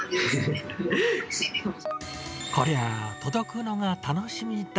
こりゃ、届くのが楽しみだ。